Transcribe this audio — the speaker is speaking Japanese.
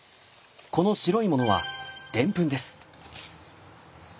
この白いものはデンプンです。